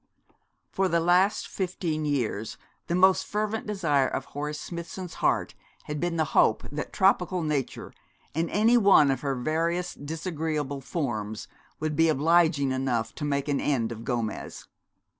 For the last fifteen years the most fervent desire of Horace Smithson's heart had been the hope that tropical nature, in any one of her various disagreeable forms, would be obliging enough to make an end of Gomez.